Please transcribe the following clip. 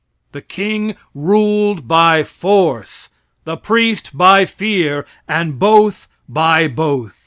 The king ruled by force, the priest by fear, and both by both.